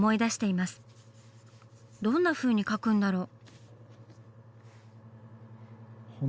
どんなふうに描くんだろう？